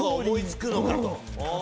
思い付くのかと。